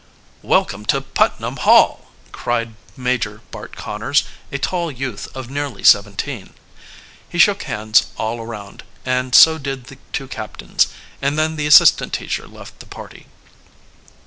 "Welcome to Putnam Hall!" cried Major Bart Conners, a tall youth of nearly seventeen. He shook hands all around, and so did the two captains; and then the assistant teacher left the party.